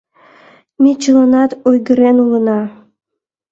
— Ме чыланат ойгырен улына.